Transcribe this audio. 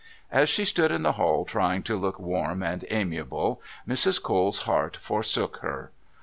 As she stood in the hall trying to look warm and amiable, Mrs. Cole's heart forsook her.